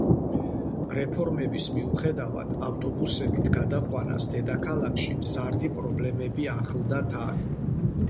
რეფორმების მიუხედავად, ავტობუსებით გადაყვანას, დედაქალაქში მზარდი პრობლემები ახლდა თან.